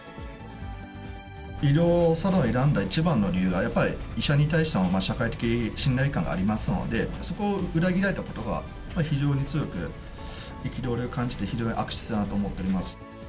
医療サロンを選んだ一番の理由がやっぱり、医者に対しての社会的信頼感がありますので、そこを裏切られたことが、非常に強く憤りを感じて、ひどい、悪質だなと思っております。